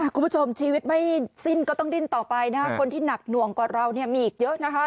คุณผู้ชมชีวิตไม่สิ้นก็ต้องดิ้นต่อไปนะคนที่หนักหน่วงกว่าเรามีอีกเยอะนะคะ